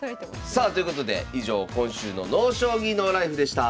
さあということで以上今週の「ＮＯ将棋ＮＯＬＩＦＥ」でした。